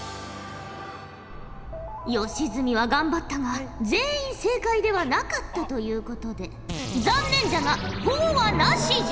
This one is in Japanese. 吉住は頑張ったが全員正解ではなかったということで残念じゃがほぉはなしじゃ。